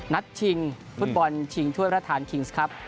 ชิงฟุตบอลชิงถ้วยประธานคิงส์ครับ